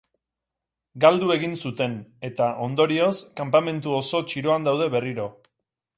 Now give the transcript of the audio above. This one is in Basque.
Galdu egin zuten, eta, ondorioz, kanpamentu oso txiroan daude berriro.